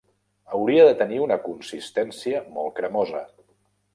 Hauria de tenir una consistència molt cremosa.